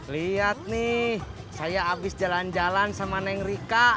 lihat nih saya habis jalan jalan sama neng rika